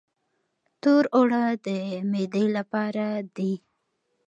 تور اوړه د معدې لپاره دي.